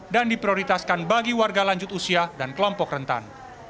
dan diprioritaskan bagi warga lanjut usia dan kelompok rentan